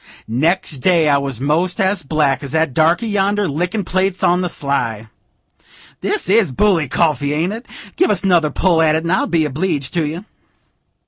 Next day I was most as black as that darkey yonder, lickin' plates on the sly. This is bully coffee, ain't it? Give us another pull at it, and I'll be obleeged to you."